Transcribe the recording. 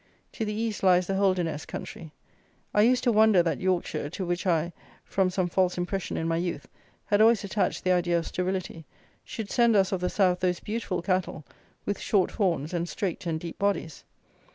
To the east lies the Holderness country. I used to wonder that Yorkshire, to which I, from some false impression in my youth, had always attached the idea of sterility, should send us of the south those beautiful cattle with short horns and straight and deep bodies.